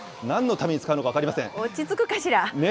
なんのために使うのか分かりませ落ち着くかしら？